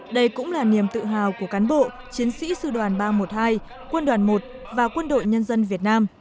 đây cũng là niềm tự hào của cán bộ chiến sĩ sư đoàn ba trăm một mươi hai quân đoàn một và quân đội nhân dân việt nam